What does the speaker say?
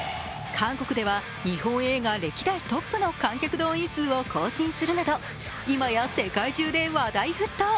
韓国では日本映画歴代トップの観客動員数を更新するなど今や世界中で話題沸騰。